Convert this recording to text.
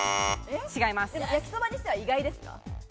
焼きそばにしては意外ですか？